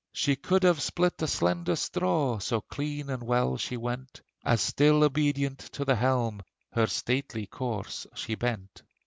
She could have split a slender straw, So clean and well she went, As still obedient to the helm Her stately course she bent.